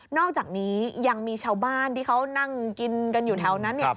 อกจากนี้ยังมีชาวบ้านที่เขานั่งกินกันอยู่แถวนั้น